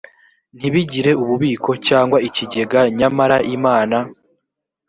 ntibigire ububiko cyangwa ikigega nyamara imana